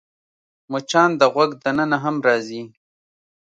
مچان د غوږ دننه هم راځي